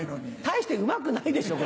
大してうまくないでしょ？